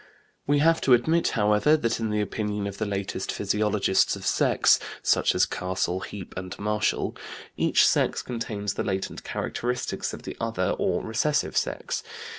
We have to admit, however, that, in the opinion of the latest physiologists of sex, such as Castle, Heape, and Marshall, each sex contains the latent characters of the other or recessive sex.